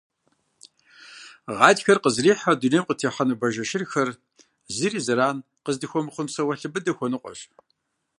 Гъатхэр къызэрихьэу дунейм къытехьэну бажэ шырхэр, зыри зэран къаздыхуэмыхъун псэуалъэ быдэ хуэныкъуэщ.